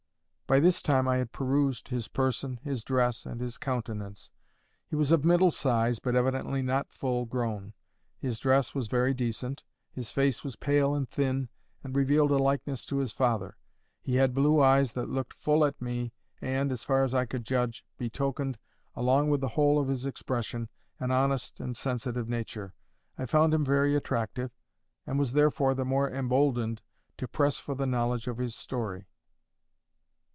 By this time I had perused his person, his dress, and his countenance. He was of middle size, but evidently not full grown. His dress was very decent. His face was pale and thin, and revealed a likeness to his father. He had blue eyes that looked full at me, and, as far as I could judge, betokened, along with the whole of his expression, an honest and sensitive nature. I found him very attractive, and was therefore the more emboldened to press for the knowledge of his story.